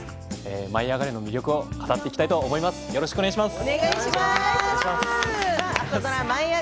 「舞いあがれ！」の魅力を語っていきたいと思います。